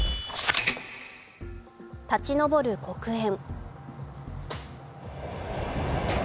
立ち上る黒煙。